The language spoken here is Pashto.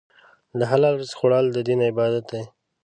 د حلال رزق خوړل د دین عبادت دی.